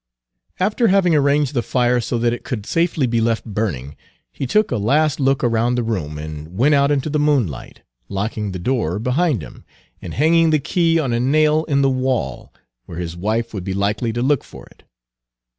After having arranged the fire so that it could safely be left burning, he took a last look around the room, and went out into the moonlight, locking the door behind him, and hanging the key on a nail in the wall, where his wife would be likely to look for it.